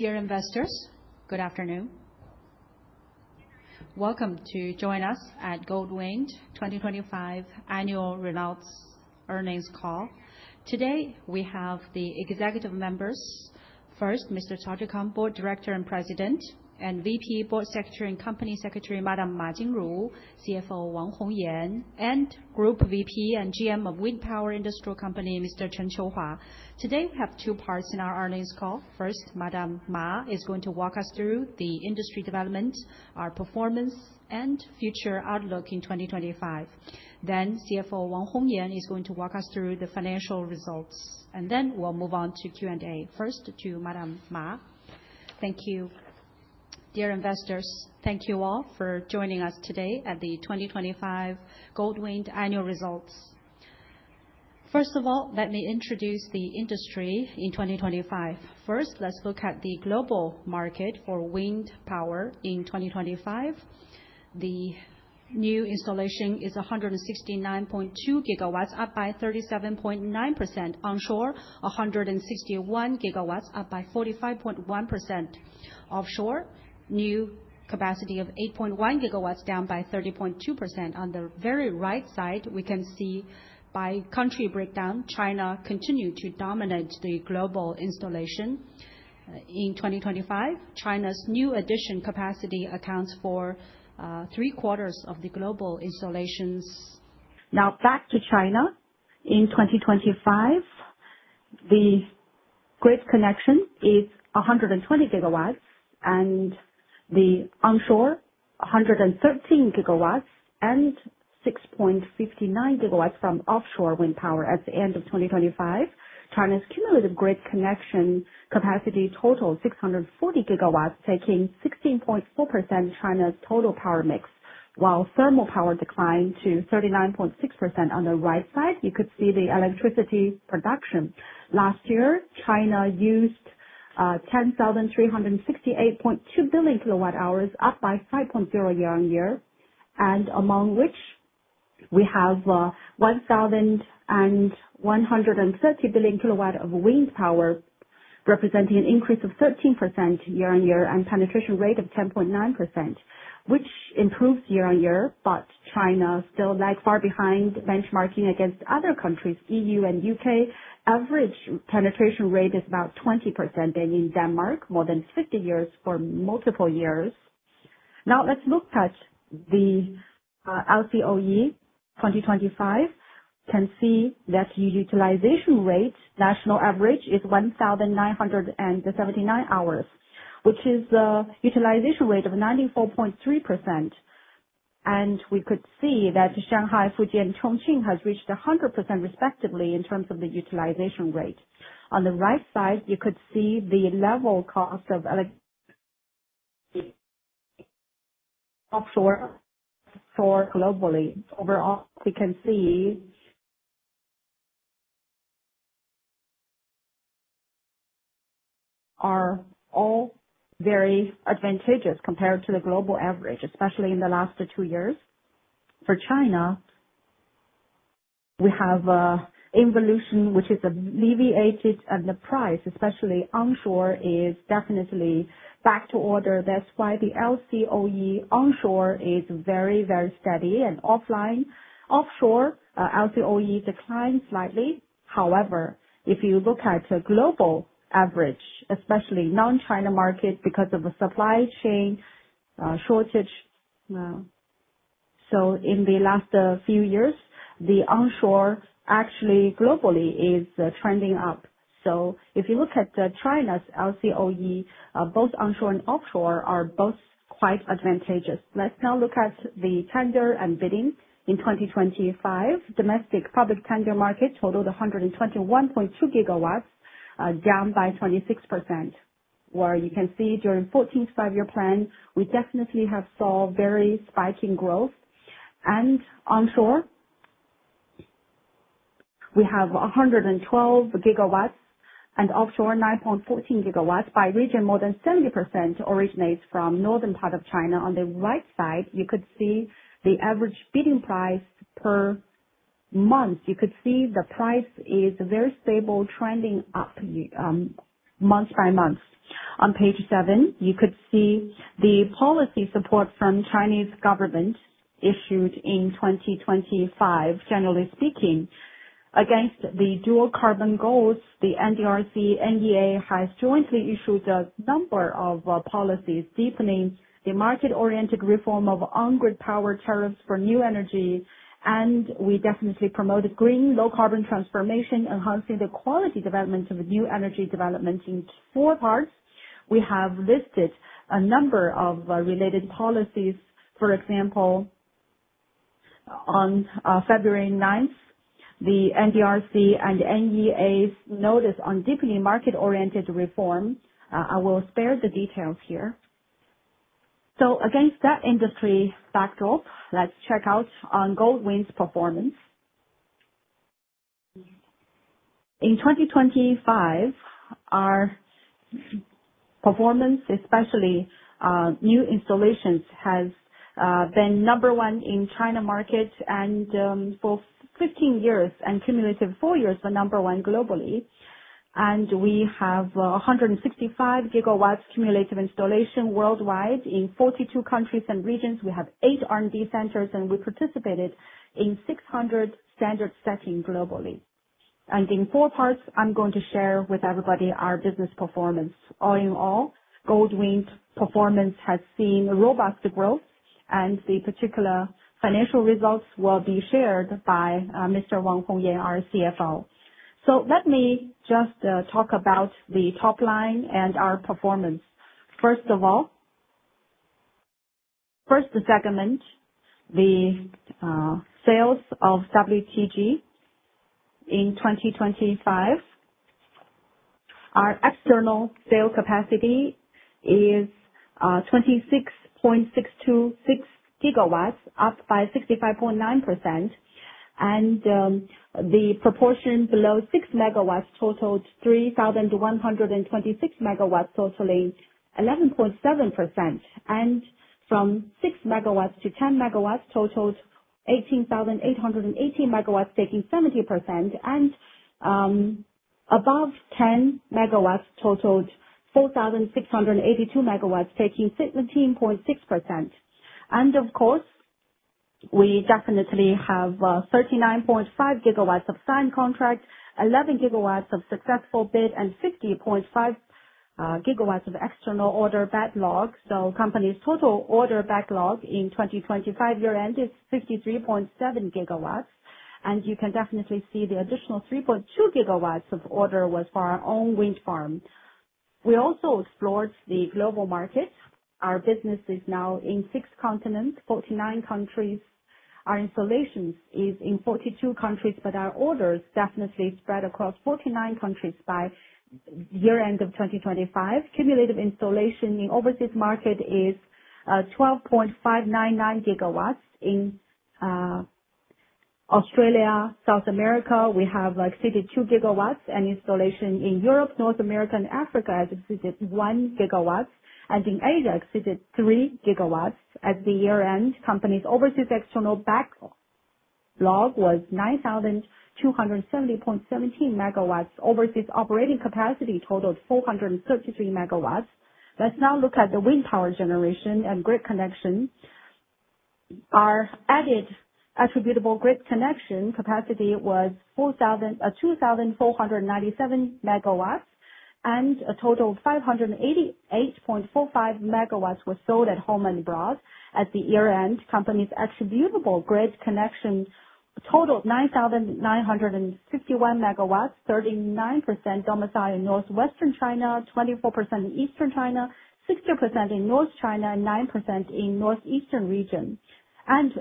Dear investors, good afternoon. Welcome to join us at Goldwind 2025 annual results earnings call. Today, we have the executive members. First, Mr. Cao Zhigang, Board Director and President, and VP, Board Secretary, and Company Secretary, Madam Ma Jinru, CFO Wang Hongyan, and Group VP and GM of Wind Power Industrial Company, Mr. Chen Qiuhua. Today, we have two parts in our earnings call. First, Madam Ma is going to walk us through the industry development, our performance, and future outlook in 2025. Then CFO Wang Hongyan is going to walk us through the financial results, and then we'll move on to Q&A. First to Madam Ma. Thank you. Dear investors, thank you all for joining us today at the 2025 Goldwind annual results. First of all, let me introduce the industry in 2025. First, let's look at the global market for wind power in 2025. The new installation is 169.2 GW, up by 37.9%. Onshore, 161 GW, up by 45.1%. Offshore, new capacity of 8.1 GW, down by 30.2%. On the very right side, we can see by country breakdown, China continued to dominate the global installation. In 2025, China's new addition capacity accounts for three-quarters of the global installations. Now back to China. In 2025, the grid connection is 120 GW and the onshore 113 GW and 6.59 GW from offshore wind power. At the end of 2025, China's cumulative grid connection capacity totaled 640 GW, taking 16.4% of China's total power mix, while thermal power declined to 39.6%. On the right side, you could see the electricity production. Last year, China used 10,368.2 billion kWh, up 5.0% year-on-year, and among which we have 1,130 billion kWh of wind power, representing an increase of 13% year-on-year and penetration rate of 10.9%, which improved year-on-year. China still lag far behind benchmarking against other countries. EU and U.K. average penetration rate is about 20%, and in Denmark, more than 50% for multiple years. Now let's look at the LCOE, 2025.can see that the utilization rate national average is 1,979 hours, which is a utilization rate of 94.3%. We could see that Shanghai, Fujian, Chongqing has reached 100% respectively in terms of the utilization rate. On the right side, you could see the levelized cost of electricity offshore, onshore globally. Overall, we can see they are all very advantageous compared to the global average, especially in the last two years. For China, we have involution, which is alleviated, and the price, especially onshore, is definitely back to order. That's why the LCOE onshore is very, very steady and online. Offshore LCOE declined slightly. However, if you look at a global average, especially non-China market, because of the supply chain shortage, so in the last few years the onshore actually globally is trending up. If you look at China's LCOE, both onshore and offshore are both quite advantageous. Let's now look at the tender and bidding in 2025. Domestic public tender market totaled 121.2 GW, down by 26%. Where you can see during 14th Five-Year Plan, we definitely have seen very spiking growth. Onshore, we have 112 GW and offshore 9.14 GW. By region, more than 70% originates from northern part of China. On the right side, you could see the average bidding price per month. You could see the price is very stable, trending up, month by month. On page seven, you could see the policy support from Chinese government issued in 2025. Generally speaking, against the dual carbon goals, the NDRC, NEA has jointly issued a number of policies deepening the market-oriented reform of on-grid power tariffs for new energy. We definitely promoted green, low-carbon transformation, enhancing the quality development of new energy development. In four parts, we have listed a number of related policies. For example, on February 9, the NDRC and NEA's notice on deepening market-oriented reform. I will spare the details here. Against that industry backdrop, let's check out on Goldwind's performance. In 2025, our performance, especially new installations, has been number one in China market and for 15 years and cumulative 4 years the number one globally. We have 165 GW cumulative installation worldwide in 42 countries and regions. We have eight R&D centers, and we participated in 600 standard setting globally. In four parts, I'm going to share with everybody our business performance. All in all, Goldwind's performance has seen a robust growth, and the particular financial results will be shared by Mr. Wang Hongyan, our CFO. Let me just talk about the top line and our performance. First of all, first segment, the sales of WTG in 2025. Our external sale capacity is 26.626 GW, up by 65.9%. The proportion below 6 MW totaled 3,126 MW, totaling 11.7%. From 6 MW-10 MW totaled 18,818 MW, taking 70%. Above 10 MW totaled 4,682 MW, taking 17.6%. Of course, we definitely have 39.5 GW of signed contracts, 11 GW of successful bid, and 60.5 GW of external order backlog. Company's total order backlog in 2025 year end is 53.7 GW, and you can definitely see the additional 3.2 GW of order was for our own wind farm. We also explored the global market. Our business is now in six continents, 49 countries. Our installations is in 42 countries, but our orders definitely spread across 49 countries by year end of 2025. Cumulative installation in overseas market is 12.599 GW. In Australia, South America, we have exceeded 2 GW, and installation in Europe, North America, and Africa has exceeded 1 GW, and in Asia we have exceeded 3 GW. At year-end, company's overseas external backlog was 9,270.17 MW. Overseas operating capacity totaled 433 MW. Let's now look at the wind power generation and grid connection. Our added attributable grid connection capacity was 2,497 MW, and a total of 588.45 MW were sold at home and abroad. At year-end, company's attributable grid connection totaled 9,951 MW, 39% domiciled in northwestern China, 24% in eastern China, 60% in north China, 9% in northeastern region, and 8%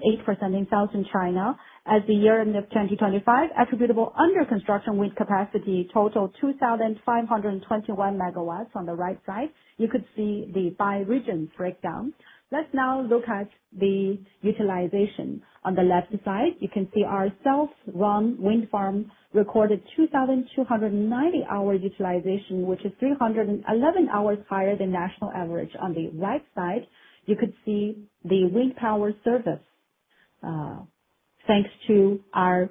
in southern China. At year-end of 2025, attributable under construction wind capacity totaled 2,521 MW. On the right side, you could see the by-region breakdown. Let's now look at the utilization. On the left side, you can see our self-run wind farm recorded 2,290-hour utilization, which is 311 hours higher than national average. On the right side, you could see the wind power service. Thanks to our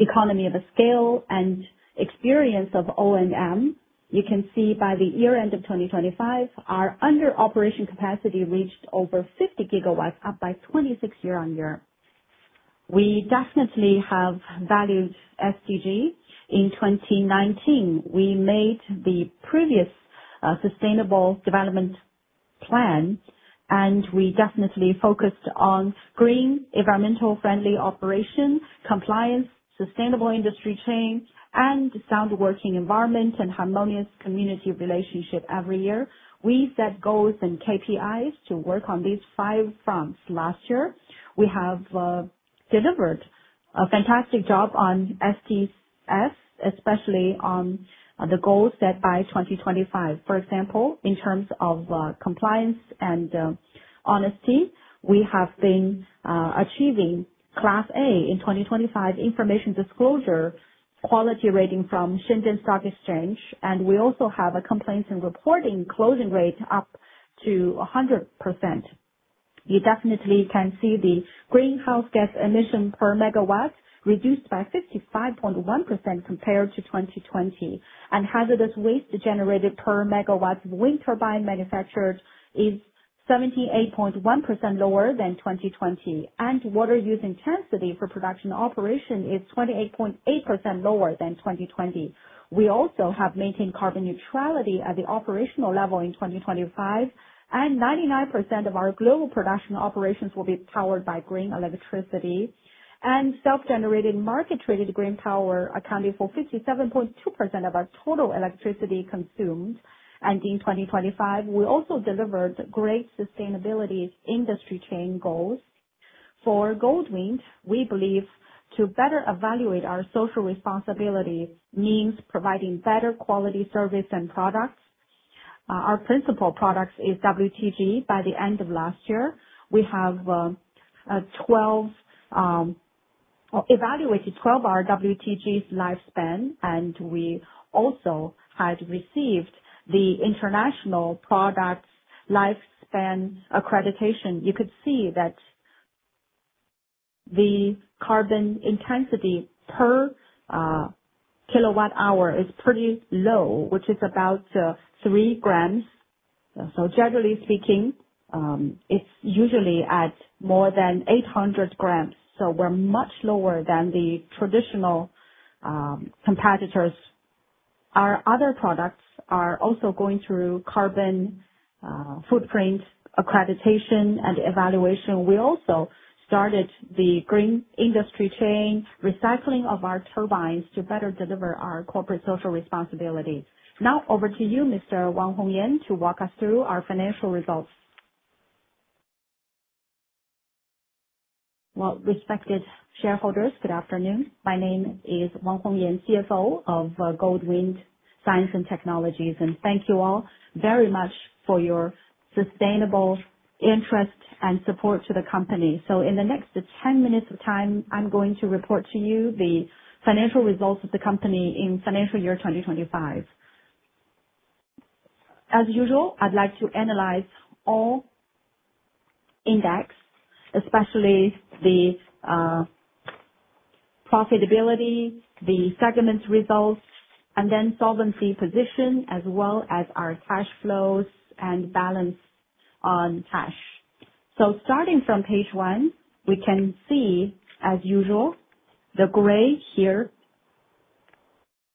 economies of scale and experience of O&M, you can see by the year-end of 2025, our under operation capacity reached over 50 GW, up 26% year-over-year. We definitely have valued SDG. In 2019, we made the previous sustainable development plan, and we definitely focused on green, environmentally friendly operations, compliance, sustainable industry chain, and sound working environment and harmonious community relationship every year. We set goals and KPIs to work on these five fronts. Last year, we have delivered a fantastic job on STS, especially on the goals set by 2025. For example, in terms of compliance and honesty, we have been achieving Class A in 2025 information disclosure quality rating from Shenzhen Stock Exchange, and we also have a complaints and reporting closing rate up to 100%. You definitely can see the greenhouse gas emission per megawatt reduced by 55.1% compared to 2020. Hazardous waste generated per megawatt of wind turbine manufactured is 78.1% lower than 2020. Water use intensity for production operation is 28.8% lower than 2020. We also have maintained carbon neutrality at the operational level in 2025, and 99% of our global production operations will be powered by green electricity. Self-generated market-traded green power accounted for 57.2% of our total electricity consumed. In 2025, we also delivered great sustainability industry chain goals. For Goldwind, we believe to better evaluate our social responsibility means providing better quality service and products. Our principal products is WTG. By the end of last year, we have evaluated 12 our WTGs lifespan, and we also had received the international products lifespan accreditation. You could see that the carbon intensity per kilowatt hour is pretty low, which is about 3 g. So generally speaking, it's usually at more than 800 g, so we're much lower than the traditional competitors. Our other products are also going through carbon footprint accreditation and evaluation. We also started the green industry chain recycling of our turbines to better deliver our corporate social responsibilities. Now over to you, Mr. Wang Hongyan, to walk us through our financial results. Well-respected shareholders, good afternoon. My name is Wang Hongyan, CFO of Goldwind Science & Technology, and thank you all very much for your sustained interest and support to the company. In the next 10 minutes of time, I'm going to report to you the financial results of the company in financial year 2025. As usual, I'd like to analyze all indices, especially the profitability, the segment results, and then solvency position as well as our cash flows and cash balance. Starting from page one, we can see as usual, the gray here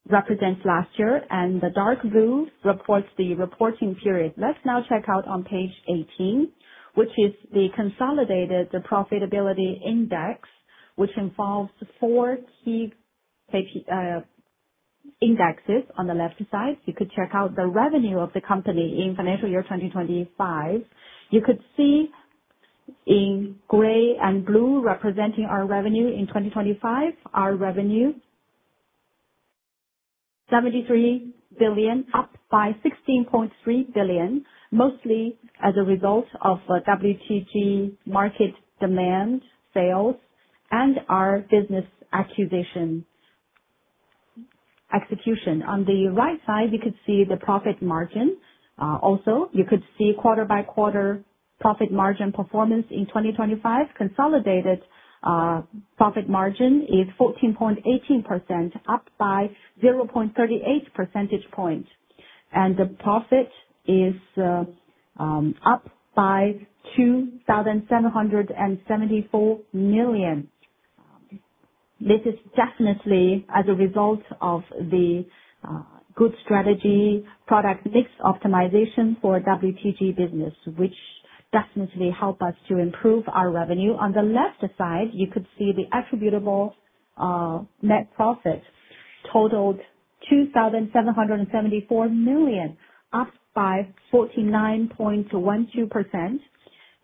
represents last year, and the dark blue reports the reporting period. Let's now check out on page 18, which is the consolidated profitability index, which involves four key indexes on the left side. You could check out the revenue of the company in financial year 2025. You could see in gray and blue representing our revenue in 2025. Our revenue 73 billion, up by 16.3 billion, mostly as a result of WTG market demand sales and our business acquisition execution. On the right side, you could see the profit margin. Also you could see quarter by quarter profit margin performance in 2025. Consolidated profit margin is 14.18%, up by 0.38 percentage point. The profit is up by 2,774 million. This is definitely as a result of the good strategy product mix optimization for WTG business, which definitely help us to improve our revenue. On the left side, you could see the attributable net profit totaled 2,774 million, up by 49.12%.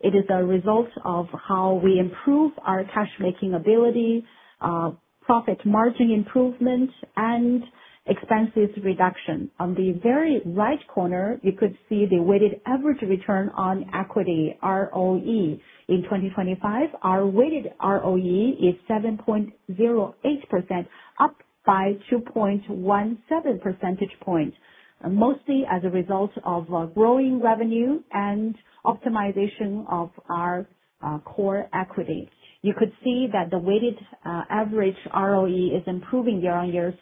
It is a result of how we improve our cash-making ability, profit margin improvements and expenses reduction. On the very right corner, you could see the weighted average return on equity ROE. In 2025, our weighted ROE is 7.08%, up by 2.17 percentage point, mostly as a result of growing revenue and optimization of our core equity. You could see that the weighted average ROE is improving year-on-year.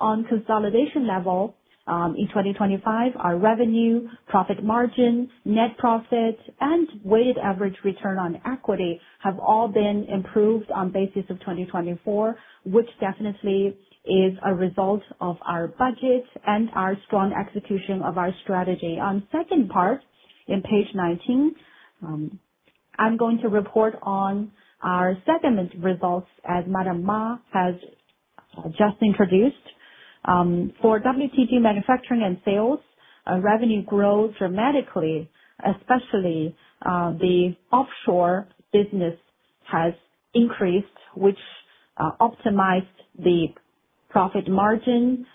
On consolidation level, in 2025, our revenue, profit margin, net profit and weighted average return on equity have all been improved on basis of 2024, which definitely is a result of our budget and our strong execution of our strategy. On second part, in page 19, I'm going to report on our segment results as Madam Ma has just introduced. For WTG manufacturing and sales, our revenue grew dramatically, especially the offshore business has increased, which optimized the profit margins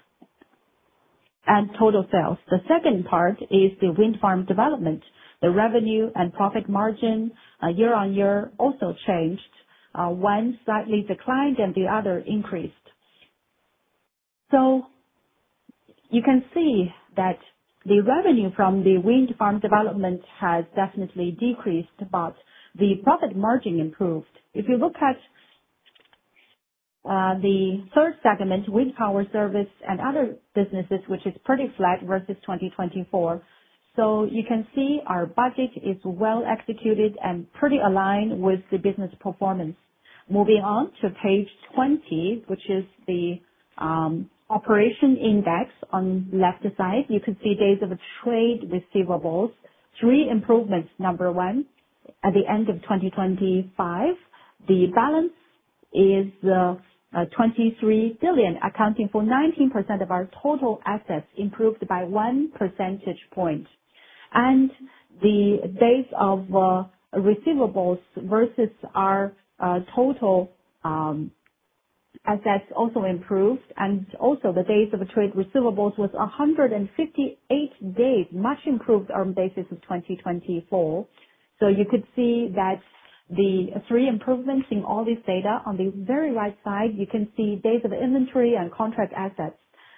and total sales. The second part is the wind farm development. The revenue and profit margin year on year also changed. One slightly declined and the other increased. You can see that the revenue from the wind farm development has definitely decreased, but the profit margin improved. If you look at the third segment, wind power service and other businesses, which is pretty flat versus 2024. You can see our budget is well executed and pretty aligned with the business performance. Moving on to page 20, which is the operation index on left side. You could see days of trade receivables. Three improvements. Number one, at the end of 2025, the balance is 23 billion, accounting for 19% of our total assets, improved by 1 percentage point. The days of receivables versus our total assets also improved, and also the days of trade receivables was 158 days, much improved on basis of 2024. You could see that the three improvements in all this data. On the very right side, you can see days of inventory and contract assets.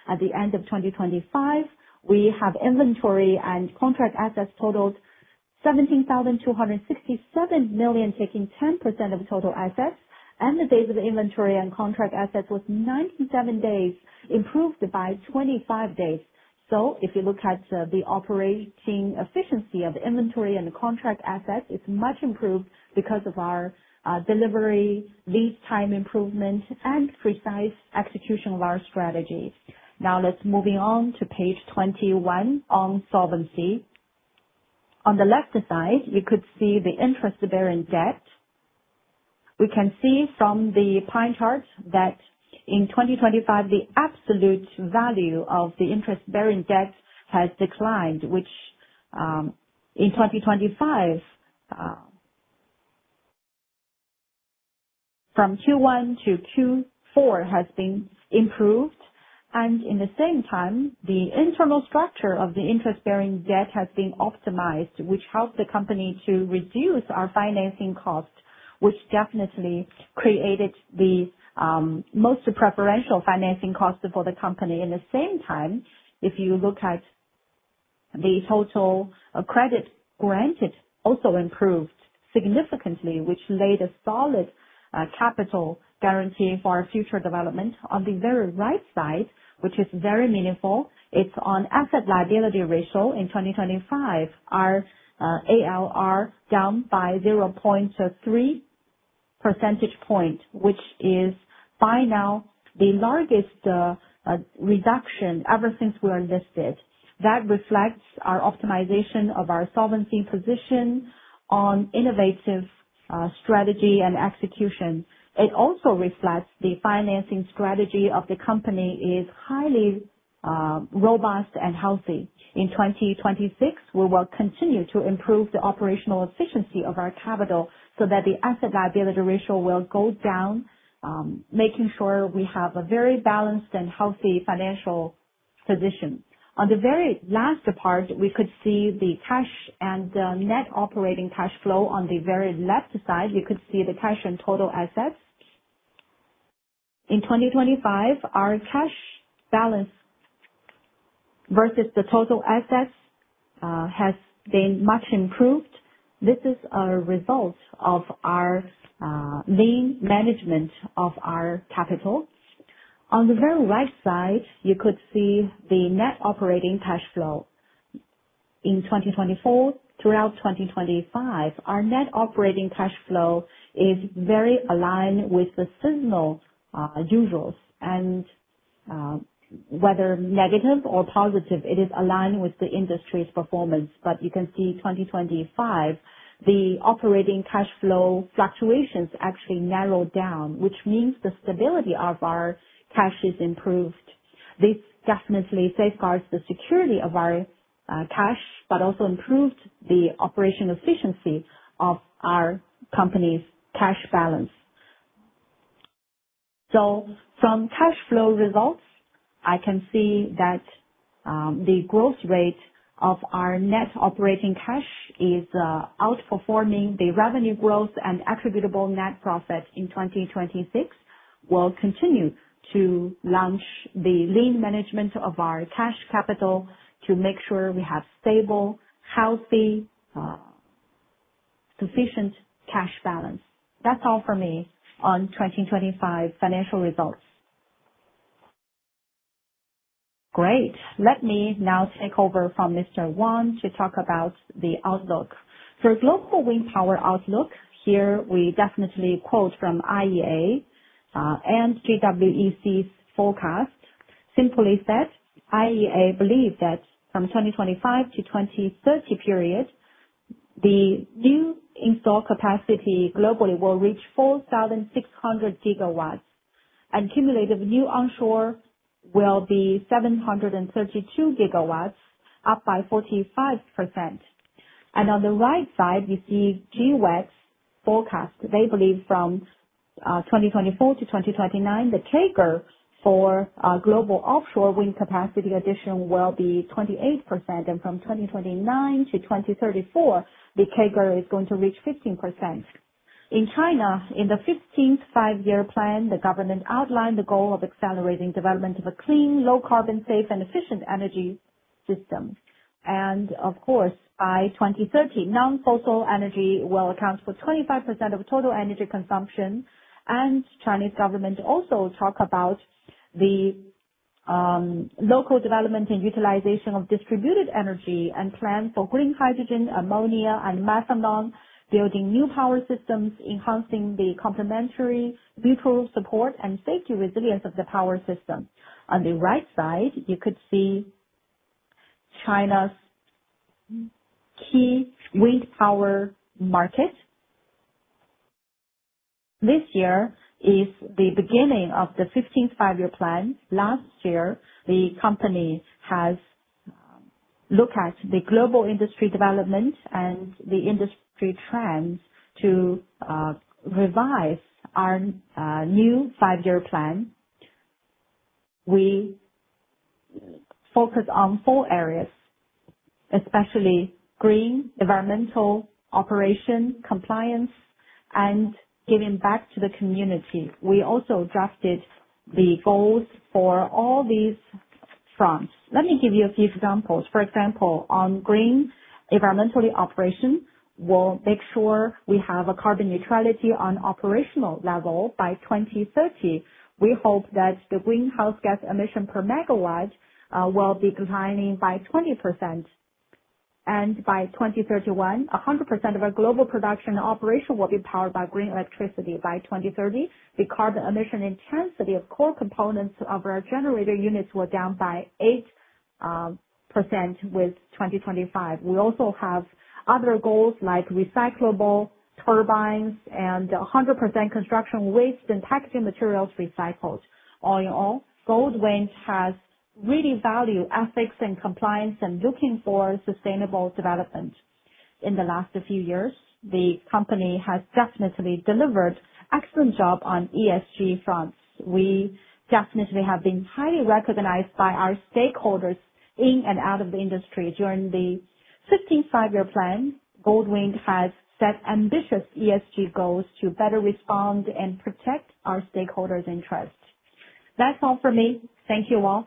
At the end of 2025, we have inventory and contract assets totaled 17,267 million, taking 10% of total assets. The days of inventory and contract assets was 97 days, improved by 25 days. If you look at the operating efficiency of inventory and the contract assets, it's much improved because of our delivery lead time improvement, and precise execution of our strategies. Now, let's move on to page 21 on solvency. On the left side, you could see the interest-bearing debt. We can see from the pie chart that in 2025, the absolute value of the interest-bearing debt has declined, which in 2025 from Q1 to Q4 has been improved. In the same time, the internal structure of the interest-bearing debt has been optimized, which helped the company to reduce our financing cost, which definitely created the most preferential financing cost for the company. In the same time, if you look at the total credit granted also improved significantly, which laid a solid capital guarantee for our future development. On the very right side, which is very meaningful, it's on asset-liability ratio. In 2025, our ALR down by 0.3 percentage point, which is by now the largest reduction ever since we are listed. That reflects our optimization of our solvency position on innovative strategy and execution. It also reflects the financing strategy of the company is highly robust and healthy. In 2026, we will continue to improve the operational efficiency of our capital so that the asset-liability ratio will go down, making sure we have a very balanced and healthy financial position. On the very last part, we could see the cash and net operating cash flow. On the very left side, you could see the cash and total assets. In 2025, our cash balance versus the total assets has been much improved. This is a result of our lean management of our capital. On the very right side, you could see the net operating cash flow. In 2024 throughout 2025, our net operating cash flow is very aligned with the seasonal usuals. Whether negative or positive, it is aligned with the industry's performance. You can see 2025, the operating cash flow fluctuations actually narrowed down, which means the stability of our cash is improved. This definitely safeguards the security of our cash, but also improved the operational efficiency of our company's cash balance. From cash flow results, I can see that the growth rate of our net operating cash is outperforming the revenue growth and attributable net profit in 2026. We'll continue to launch the lean management of our cash capital to make sure we have stable, healthy, sufficient cash balance. That's all for me on 2025 financial results. Great. Let me now take over from Mr. Wang to talk about the outlook. For global wind power outlook, here we definitely quote from IEA and GWEC's forecast. Simply said, IEA believe that from 2025 to 2030 period, the new installed capacity globally will reach 4,600 GW. Accumulated new onshore will be 732 GW, up by 45%. On the right side, you see GWEC's forecast. They believe from 2024 to 2029, the CAGR for global offshore wind capacity addition will be 28%. From 2029 to 2034, the CAGR is going to reach 15%. In China, in the 15th Five-Year Plan, the government outlined the goal of accelerating development of a clean, low-carbon, safe, and efficient energy system. Of course, by 2030, non-fossil energy will account for 25% of total energy consumption. Chinese government also talk about the local development and utilization of distributed energy and plan for green hydrogen, ammonia, and methanol, building new power systems, enhancing the complementary mutual support and safety resilience of the power system. On the right side, you could see China's key wind power market. This year is the beginning of the 15th Five-Year Plan. Last year, the company has look at the global industry development and the industry trends to revise our new five-year plan. We focus on four areas, especially green environmental operation compliance and giving back to the community. We also drafted the goals for all these fronts. Let me give you a few examples. For example, on green environmental operation, we'll make sure we have a carbon neutrality on operational level by 2030. We hope that the greenhouse gas emission per megawatt will be declining by 20%. By 2031, 100% of our global production operation will be powered by green electricity. By 2030, the carbon emission intensity of core components of our generator units were down by 8% with 2025. We also have other goals like recyclable turbines and 100% construction waste and packaging materials recycled. All in all, Goldwind has really value ethics and compliance and looking for sustainable development. In the last few years, the company has definitely delivered excellent job on ESG fronts. We definitely have been highly recognized by our stakeholders in and out of the industry. During the 15th Five-Year Plan, Goldwind has set ambitious ESG goals to better respond and protect our stakeholders' interest. That's all for me. Thank you all.